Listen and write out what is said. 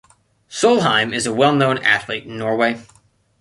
Solheim is a well known athlete in Norway.